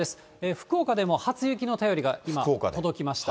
福岡でも初雪の便りが今届きました。